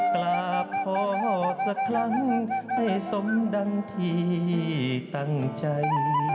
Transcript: กราบพ่อสักครั้งให้สมดังที่ตั้งใจ